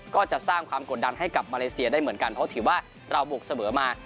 ก็จะสร้างความกดดันให้กับมาเลเซียได้เหมือนกันเพราะถือว่าเราบุกเสมอมา